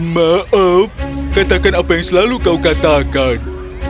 maaf katakan apa yang selalu kau katakan